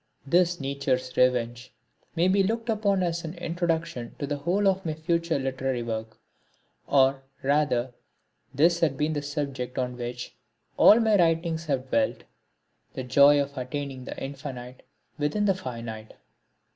This Nature's Revenge may be looked upon as an introduction to the whole of my future literary work; or, rather this has been the subject on which all my writings have dwelt the joy of attaining the Infinite within the finite.